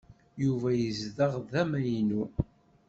Yuba yezdeɣ tama-inu.